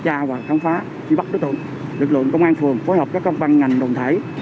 tra và khám phá truy bắt đối tượng lực lượng công an phường phối hợp với các văn ngành đồng thể